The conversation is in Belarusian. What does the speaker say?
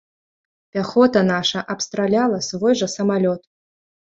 Пяхота наша абстраляла свой жа самалёт.